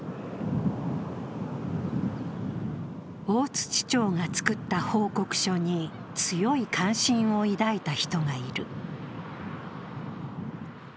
大槌町が作った報告書に強い関心を抱いた人がいる。